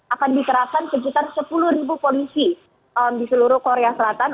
akan diterapkan sekitar sepuluh polisi di seluruh korea selatan